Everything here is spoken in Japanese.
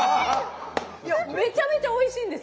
めちゃめちゃおいしいんです。